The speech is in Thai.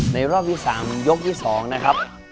รอบที่๓ยกที่๒นะครับ